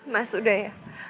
mas udah ya